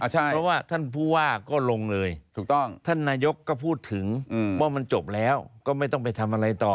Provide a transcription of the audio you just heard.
เพราะว่าท่านผู้ว่าก็ลงเลยถูกต้องท่านนายกก็พูดถึงว่ามันจบแล้วก็ไม่ต้องไปทำอะไรต่อ